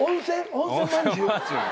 温泉まんじゅう？